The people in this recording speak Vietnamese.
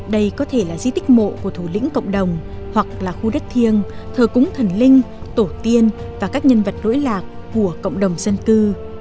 đây có thể là di tích mộ của thủ lĩnh cộng đồng hoặc là khu đất thiêng thờ cúng thần linh tổ tiên và các nhân vật nỗi lạc của cộng đồng dân cư